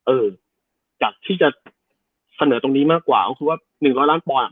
อืมเออแต่ที่จะเสนอตรงนี้มากกว่าคือว่าหนึ่งร้อยล้านบอลอ่ะ